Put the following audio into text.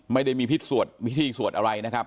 ไม่ได้มีพฤษสรรค์พฤษทีสวดอะไร